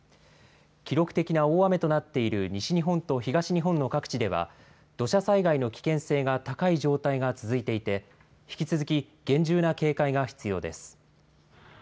記録的な大雨となっている西日本と東日本の各地では土砂災害の危険性が高い状態が続いていて引き続き厳重な警戒が必要です。